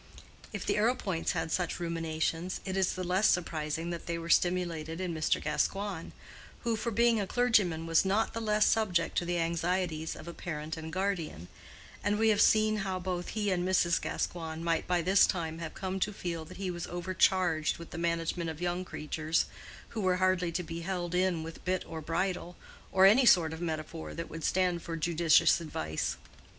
If the Arrowpoints had such ruminations, it is the less surprising that they were stimulated in Mr. Gascoigne, who for being a clergyman was not the less subject to the anxieties of a parent and guardian; and we have seen how both he and Mrs. Gascoigne might by this time have come to feel that he was overcharged with the management of young creatures who were hardly to be held in with bit or bridle, or any sort of metaphor that would stand for judicious advice.